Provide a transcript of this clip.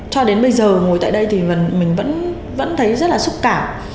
cho đến bây giờ ngồi tại đây thì mình vẫn thấy rất là xúc cảm